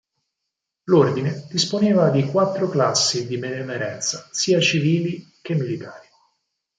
L'ordine disponeva di quattro classi di benemerenza sia civili che militari.